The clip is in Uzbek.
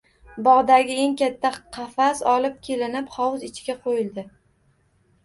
Bogʻdagi eng katta qafas olib kelinib, hovuz ichiga qoʻyildi